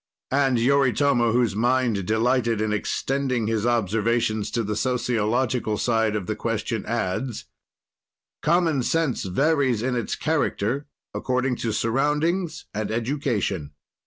And Yoritomo, whose mind delighted in extending his observations to the sociological side of the question, adds: "Common sense varies in its character, according to surroundings and education.